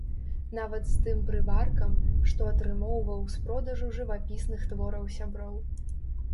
Нават з тым прываркам, што атрымоўваў з продажу жывапісных твораў сяброў.